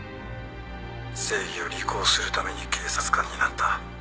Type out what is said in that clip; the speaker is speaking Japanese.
正義を履行するために警察官になった。